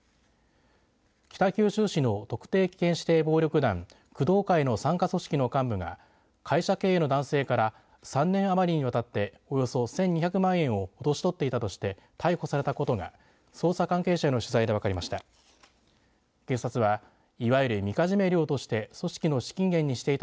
北九州市の特定危険指定暴力団工藤会の傘下組織の幹部が会社経営の男性から３年余りにわたっておよそ１２００万円を脅し取っていたとして逮捕されたことが捜査関係者への取材で分かりました。